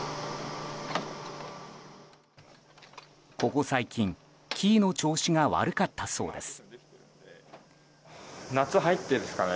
ここ最近、キーの調子が悪かったそうです。